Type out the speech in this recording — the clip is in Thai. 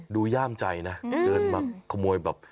ย่ามใจนะเดินมาขโมยแบบ